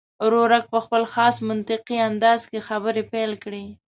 ورورک په خپل خاص منطقي انداز کې خبرې پیل کړې.